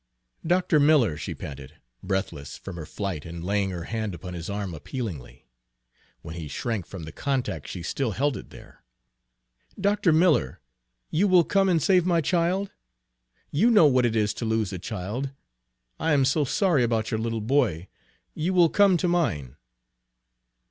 "Dr. Miller," she panted, breathless from her flight and laying her hand upon his arm appealingly, when he shrank from the contact she still held it there, "Dr. Miller, you will come and save my child? You know what it is to lose a child! I am so sorry about your little boy! You will come to mine!"